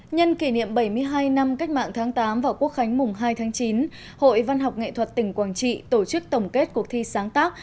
nhân kỷ niệm bảy mươi hai năm cách mạng tháng tám và quốc khánh mùng hai tháng chín hội văn học nghệ thuật tỉnh quảng trị tổ chức tổng kết cuộc thi sáng tác